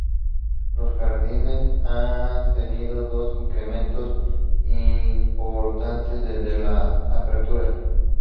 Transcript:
Los jardines han tenido dos incrementos importantes desde la apertura.